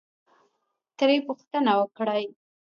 ترې پوښتنه وکړئ،